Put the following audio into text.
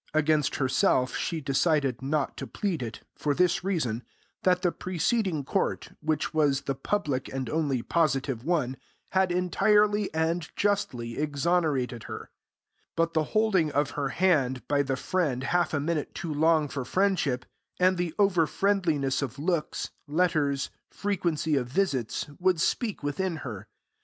Against herself she decided not to plead it, for this reason, that the preceding Court, which was the public and only positive one, had entirely and justly exonerated her. But the holding of her hand by the friend half a minute too long for friendship, and the over friendliness of looks, letters, frequency of visits, would speak within her.